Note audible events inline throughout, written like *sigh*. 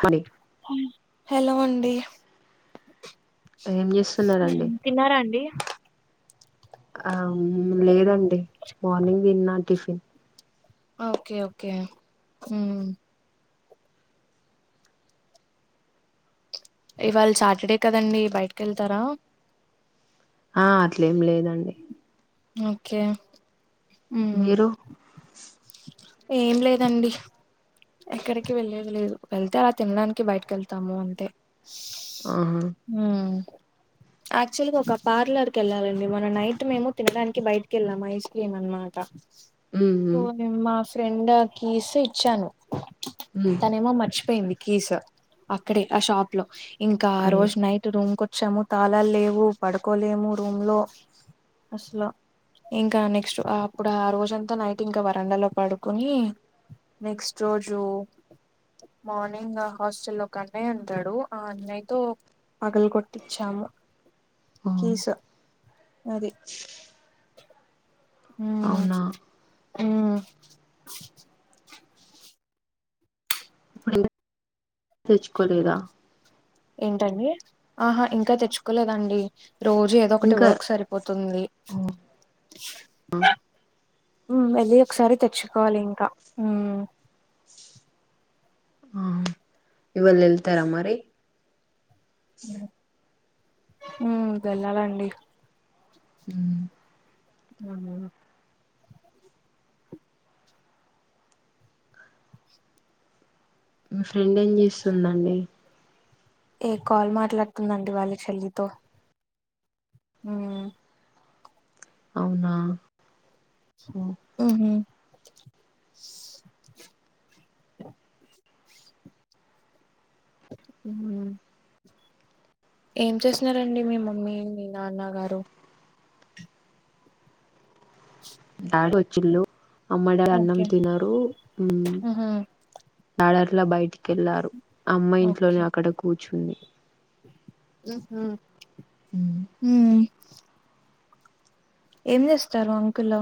Hi hello అండి ఏం చేస్తున్నారండి తిన్నారా అండి ఆ లేదండి మార్నింగ్ తిన్నా టిఫిన్ ఓకే ఓకే ఉమ్మ్ ఇవాళ సాటర్డే కదండి బయటకి ఎళ్తారా ఆ అట్లేం లేదండి ఓకే ఉమ్మ్ మీరు ఏం లేదండి ఎక్కడికి వెళ్లేది లేదు వెళ్తే అలా తినడానికి బయటకి ఎళ్తాము అంతే ఆహా ఉమ్మ్ యాక్చువల్‌గా ఒక పార్లర్‌కి ఎళ్ళాలండి మన నైట్ మేము తినడానికి బయటికెళ్ళాం ఐస్ క్రీమ్ అనమాట మ్మ్ఉమ్మ్ మా ఫ్రెండ్ కీస్ ఇచ్చాను ఉమ్ తనేమో మర్చిపోయింది కీసూ అక్కడే ఆ షాప్‌లో ఇంకా అయ్యో ఆరోజు నై ట్ రూమ్‌కొచ్చాము తాళాలు లేవు పడుకోలేము రూమ్‌లో అస్లా ఇంకా నెక్స్ట్ అప్పుడు ఆ రోజంతా నైట్ ఇంకా వరండాలో పడుకొని నెక్స్ట్ రోజు మార్నింగ్ ఆ హాస్టల్లో ఒక అన్నయ్య ఉంటాడు ఆ అన్నయ్యతో పగలు కొటిచ్చాము ఓ కీసూ అది ఉమ్మ్ అవునా ఉమ్మ్ *unintelligible* తెచ్చుకోలేదా ఏంటండి ఆహా ఇంకా తెచ్చుకోలేదండి రోజే ఏదో ఒకటి ఇంకా వర్క్ సరిపోతుంది ఓ ఉమ్ వెళ్ళి ఒకసారి తెచ్చుకోవాలి ఇంకా ఉమ్మ్ ఆ ఇవాళ ఎళ్తారా మరి ఉమ్మ్ వెళ్లాలండి ఉమ్ ఆ మీ ఫ్రెండ్ ఏం చేస్తుందండి ఏ కాల్ మాట్లాడుతుందండి వాళ్ళ చెల్లితో మ్ అవునా ఓ మ్ హు మ్ ఏం చేస్తున్నారండి మీ మమ్మీ మీ నాన్న గారు తాగొచ్చిల్ళు అమ్మడడ్ అన్నం ఓకే తినరు మ్ ఉహు డాడి అట్లా బయటికిెళ్లారు ఆ అమ్మ ఓకే ఇంట్లోనే అక్కడ కూర్చుంది మ్ హు ఉమ్ మ్ ఏం చేస్తారు అంకుల్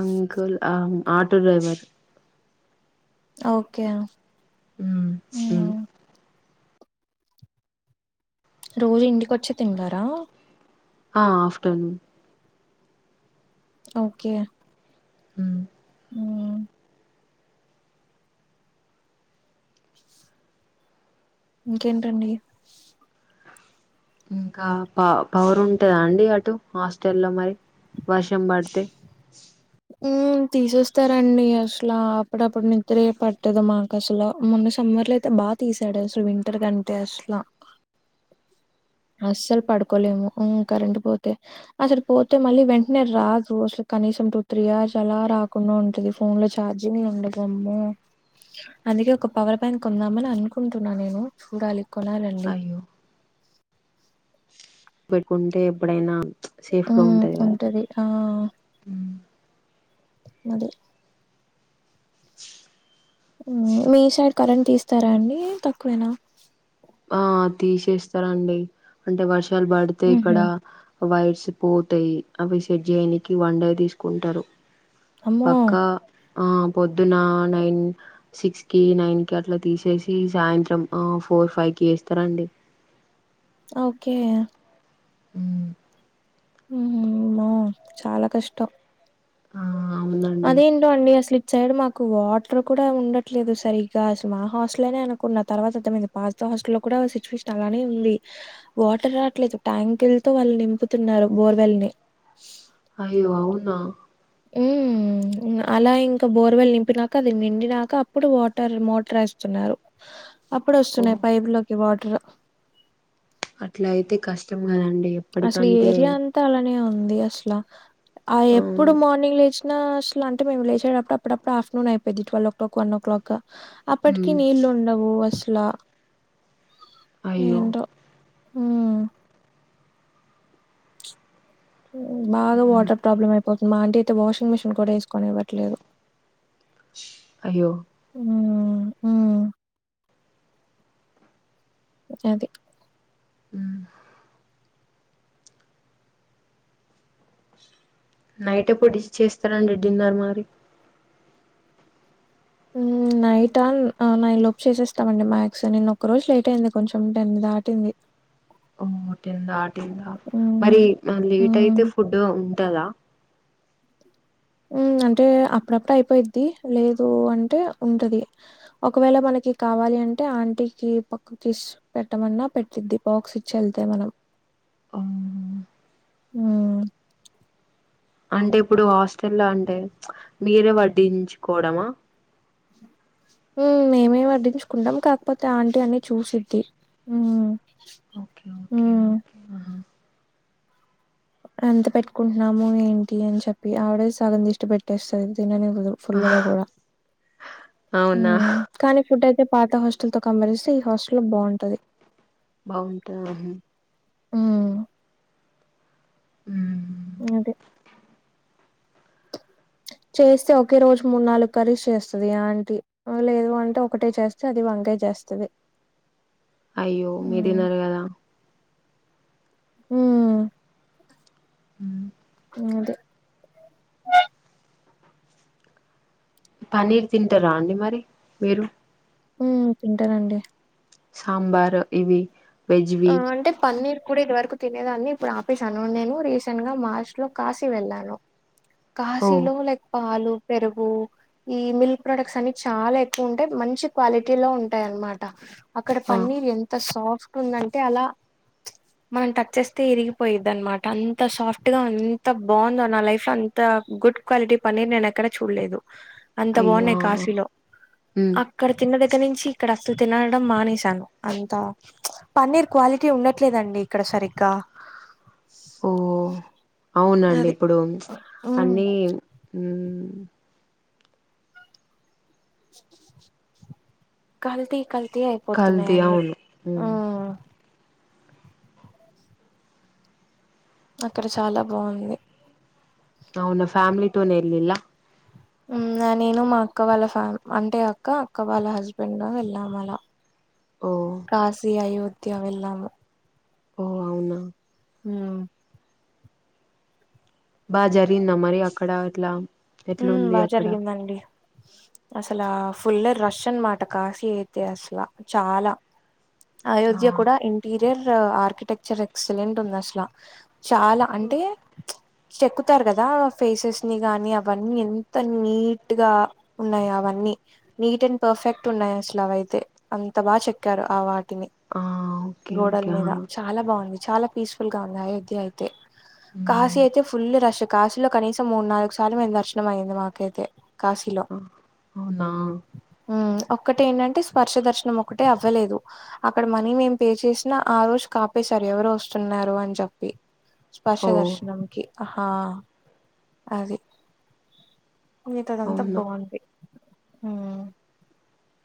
అంకుల్ అం ఆటో డ్రైవర్ ఓకే మ్ మ్ ఉమ్ రోజు ఇంటికోచ్చి తింటారా ఆ ఆఫ్టర్నూన్ ఓకే మ్ మ్ ఇంకేంటండి ఇంకా ప పౌవర్ ఉంటదా అండి అటు హాస్టల్లో మరి వర్షం పడితే మ్ తీసేస్తరండి అసలు అప్పుడప్పుడ్ ని దురే పట్టదు మాకు అసలు మొన్న సమ్మర్ లో అయితే బాగా తీసాడు అసలు వింటర్ కంటే అసలు ఓ అస్సలు పడుకోలేము మ్ కరెంట్ పోతే అసలు పోతే మళ్ళీ వెంటనే రాదు అసలు కనీసం టు త్రీ ఆవర్స్ అలా రాకుండా ఉంటది ఫోన్ లో ఛార్జింగ్ ఉండదమ్మో అందుకే ఒక పవర్ బ్యాంక్ కొందామని అనుకుంటున్నా నేను చూడాలి కొనాలండి అయ్యో పెట్టుకుంటే ఎప్పుడైనా మ్ ఉంటది ఆ హ మది *inaudible* మ్ మీ సైడ్ కరంట్ తీస్తారా అండి తక్కువేనా ఆ తీసేస్తారండి అంటే వర్షాలు పడితే హుహు. ఇక్కడ వైర్స్ పోతయి అవి సెట్ జేయనీకి వన్ డే తిసుకుంటారు అమ్మో! పక్కా ఆ పొద్దున నైన్ సిక్స్ కి నైన్ కి అట్లా తీసేసి సాయంత్రం ఆ ఫోర్ ఫైవ్ కేస్తారండి ఓకే మ్ మ్ హూ అమ్మో చాలా కష్టం ఆ అవునండి అదేంటో అండి అసలు ఇటు సైడ్ మాకు వాటర్ కూడా ఉండట్లేదు సరిగ్గా అసలు మా హాస్టల్నే అనుకున్న తర్వాత అర్ధమైంది పాత హాస్టల్ లో కుడా సిచ్యువేషన్ అలానే ఉంది వాటర్ రావట్లేదు ట్యాంకుల్ తో వాళ్ళు నింపుతున్నారు బోర్వెల్ని అయ్యో అవునా ఉమ్ అలా ఇంకా బోర్వెల్ నింపినాక అది నిండినాక అప్పుడు వాటర్ మోటర్ యేస్తున్నారు అప్పుడు ఓ వస్తున్నాయి పైపు లోకి వాటర్ అట్లా అయితే కష్టం కదండి అసలు ఈ ఎప్పటికంటే ఏరియా అంతా అలానే ఉంది అసలు ఆ ఎప్పుడు అవును మార్నింగ్ లే ఆ అంటే మేము లేచేటపుడప్పుడప్పు ఆఫ్టర్నూన్ అయిపోద్ది twelve o'clock one o'clock అప్పటికి ఉమ్ నీళ్ళు ఉండవు అసలా అయ్యో ఏంటో ఉమ్ బాగా ఉమ్, వాటర్ ప్రాబ్లమ్ అ అయిపోతుంది మా అంటి అయితే వాషింగ్ మిషిన్ కూడా ఏస్ కొనివ్వట్లేదు అయ్యో ఉహ్ ఉహ్ అది ఉ నైట్ ఎప్పుడూ డిష్ చేస్టారండి పెట్టిడిన్నర్ మరి ఉ నైట్ ఆన్ నైన్ లోలుప్ చేసేస్తామండి మ్యాక్స్ నిన ఒక రోజు లేట్ అయింది కొంచెం టెన్ని దాటింది అమ్మో టెన్ దాటింద హ్మ్. మరి లేట్ హ్మ్. అయితే ఫుడ్ ఉంటదా అంటే అప్పుడప్పుడు అయిపోయిద్ది లేదు అంటే ఉంటది ఒకవేళ మనకి కావాలి అంటే ఆంటీకి పక్కకి పెట్టమన్నా పెట్టిద్ది బాక్స్ ఇచ్చి వెళ్తే మనం అవును ఉ అంటే ఇప్పుడు హాస్టల్ అంటే మీరే వడ్డించుకోవడమా ఊం మేమే వడ్డించుకుంటాం కాకపోతే ఆంటీ అన్ని చూసిద్ది హుం హుం ఆహా ఎంత పెట్టుకుంటున్నాము ఏంటి అని చెప్పి ఆవిడే సగం దిష్టి పెట్టేస్తంది తిననిరు ఆహా. ఫుల్గా కూడా హు అవునా కానీ ఫుడ్ అయితే పాత హాస్టల్ తో కమ్మరిస్తే ఈ హాస్టల్ బాగుంటది బాగుంటా ఆహ హు ఉ అదే చేస్తే ఒకే రోజు మూడు నాలుగు కర్రీస్ చేస్తుది అంటి లేవు అంటే ఒకటే చేస్తే అది వంకాయ చేస్తుది అయ్యో మీ తిన్నారు కదా ఉ అది పన్నీర్ తింటారా అండి మరి మీరు ఉం తింటానండి సాంబార్ ఇవి ఆ వెజ్వి అంటే పన్నీర్ కూడా ఇదివరకు తినేదాన్ని ఇప్పుడు ఆపేశాను నేను రీసెంట్ గా మార్చ్ లో కాశీ వెళ్ళాను ఓ కాశీలో లైక్ పాలు పెరుగు ఈ మిల్క్ ప్రొడక్ట్స్ అన్ని చాలా ఎక్కువ ఉంటాయి. మంచి క్వాలిటీ లో ఉంటాయి అన్నమాట అక్కడ ఆ పన్నీర్ ఎంత సాఫ్ట్ ఉందంటే అలా మనం టచ్ చేస్తే ఇరిగిపోయది అనమాట అంత సాఫ్ట్ గా అంత బాగుందో నా లైఫ్ లో అం త గుడ్ క్వాలిటీ పన్నీర్ నేను ఎక్కడ చూడలేదు అంత అయ్యో బాగుండె ఆ ఆ కాశీలో ఉమ్ ఆక్కడ తిన్న దగ్గర నుంచి ఇక్కడ అస్లు తినడం మానేశాను అంతా పన్నీర్ క్వాలిటీ ఉండట్లేదండి. ఇక్కడ సరిగ్గా ఓ అవునండి అది ఇప్పుడు ఉమ్ అన్నీ కల్తీ కల్తీ అయిపో కల్తీ అవును అక్కడ చాలా బాగుంది అవున ఫ్యామిలీ తోనే ఎల్లిల్ల ఇంగ నేను మా అక్క వాళ్ళ ఫ్యా అంటే అక్క అక్క వాళ్ళ హస్బెండ్ వెళ్ళాం అలా ఓ కాశీ అయోధ్య వెళ్ళము ఓ అవునా హ్ బాగా జరిగిందా మరి అక్కడ ఆట్లా హ్ బాగా జరిగిందండి అసల ఫుల్ రష్ అన్నమాట కాశీ అయితే అసలు చాలా చా అయోధ్య కూడా ఇంటీరియర్ ఆర్కిటెక్చర్ ఎక్సలెంట్ ఉంది. అసలా చాలా అంటే చెక్కుతారు. కదా ఫేసెస్ ని గాని అవి అవన్నీ ఎంత నీట్గా ఉన్నాయే అవన్నీ నీట్ అండ్ పర్ఫెక్ట్ ఉన్నాయి. అసల అవైతే అంత బాగా చెక్కారు ఆ వాటిని ఆ ఓకే గోడల ఓకే ఆ మీద చాలా బాగుంది చాలా పీస్ఫుల్ గా ఉంది. అయోధ్య అయితే ఉమ్ కాశీ అయితే ఫుల్ రష్ కాశీలో కనీసం మూడు నాలుగు సార్లు దర్శనం అయింది. మాకైతే కాశీలో ఆ అవునా ఒక్కటే ఏంటంటే స్పర్శ దర్శనం ఒకటే అవ్వలేదు అక్కడ మనీ మేం పే చేసినా ఆ రోజు ఆపేశారు ఎవరో వస్తున్నారు. అని చెప్పి స్పర్శ ఓ దర్శనంకి హా అది మిగతాదంతా అవునా బాగుంధి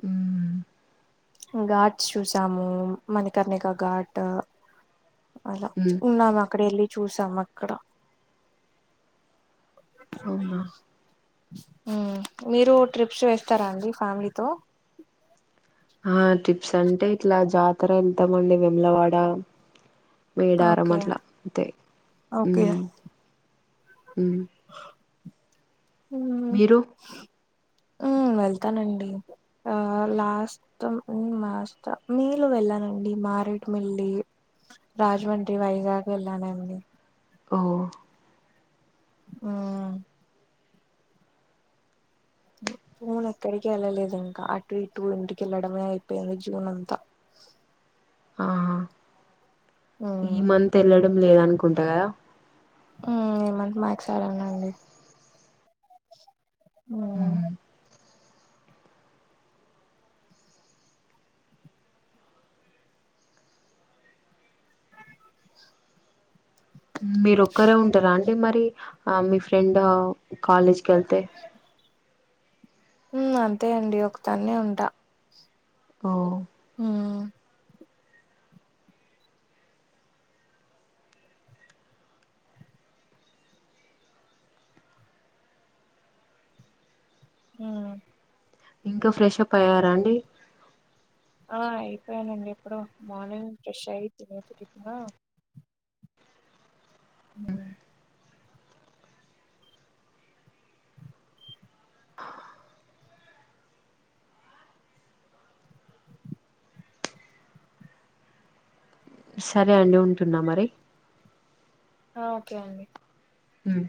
ఉ ఘాట్స్ చూసాము మణకర్ణిక ఘాట్ అలా ఉమ్ ఉన్నాం అక్కడ వెళ్ళి చూసాం ఆ అక్కడ అవునా హ్ మీరు ట్రిప్స్ వేస్తారా అండి. ఫ్యామిలీతో ఆ ట్రిప్స్ అంటే ఇట్లా జాతర వెళ్తాం అండి వేములవాడ మేడారం ఓకే ఆట్ల అంతే ఓకే మీరు హ్ హు వెళ్తానండి ఆ లాస్ట్ మొత్తం మాస్త మీరు వెళ్ళనండి మారేడుమిల్లి రాజమండ్రి వైజాగ్ వెళ్ళానండి ఓ ఆ జూన్ ఎక్కడికి వెళ్ళలేదు ఇంకా అటు ఇటు ఇంటికెళ్ళడమే అయిపోయింది జూన్ అంతా ఆహా ఈ మ్మ్ మంత్ ఏళ్ళడం లేదనుకుంటా కదా ఉ ఈ మంత్ మాక్స్ ఎల్లనండి ఉ టి మీరు ఒక్కరే ఉంటారా అండి మరి ఆ మీ ఫ్రెండ్ కాలేజ్కికేళ్తే హ్మ్ అంతే అండి ఒకదాన్నే ఉంటా ఓ ఉహ్ హు ఇంకా ఫ్రెష్ అప్ అయ్యారా అండి ఆ అయిపోయానండి ఎప్పుడు మార్నింగ్ ఫ్రెష్ అయి తినేసి టిఫిను ఉ సరే అండి ఉంటున్నా మరి ఆ ఓకే అండి ఉమ్